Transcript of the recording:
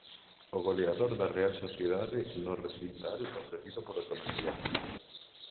O goleador da Real Sociedade no recital ofrecido polos donostiarras.